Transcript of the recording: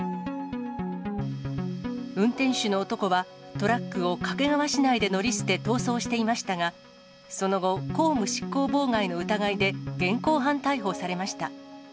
運転手の男は、トラックを掛川市内で乗り捨て、逃走していましたが、その後、公務執行妨害の疑いで、現行犯逮捕されました。